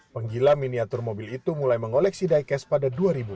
penggila miniatur mobil itu mulai mengoleksi diecast pada dua ribu enam belas